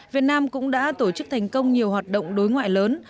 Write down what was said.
việt nam cũng đã tổ chức thành công nhiều hoạt động đối ngoại lớn